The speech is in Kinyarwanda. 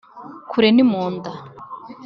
Kure ni mu nda.